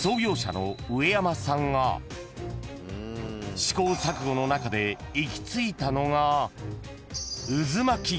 ［試行錯誤の中で行き着いたのが］